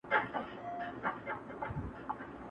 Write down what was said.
د پاچا له فقیرانو سره څه دي؟-